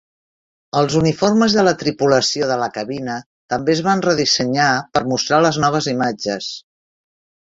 Els uniformes de la tripulació de la cabina també es van redissenyar per mostrar les noves imatges.